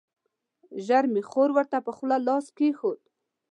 ژر مې خور ورته پر خوله لاس کېښود.